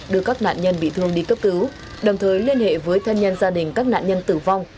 đưa các nạn nhân bị thương đi cấp cứu đồng thời liên hệ với thân nhân gia đình các nạn nhân tử vong